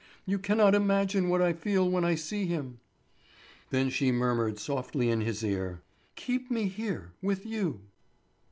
You cannot imagine what I feel when I see him." Then she murmured softly in his ear: "Keep me here, with you."